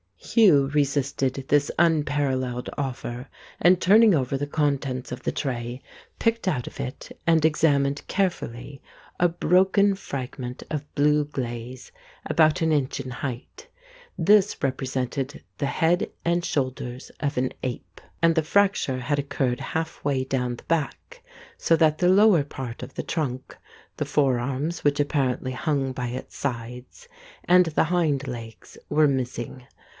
Hugh resisted this unparalleled offer, and, turn ing over the contents of the tray, picked out of it and examined carefully a broken fragment of blue glaze, about an inch in height. This represented the head and shoulders of an ape, and the fracture had occurred half way down the back, so that the lower part of the trunk, the forearms which apparently hung by its sides, and the hind legs were missing.